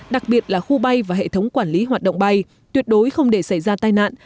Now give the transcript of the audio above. đặc biệt là khu bay và hệ thống quản lý hoạt động bay tuyệt đối không để xảy ra tai nạn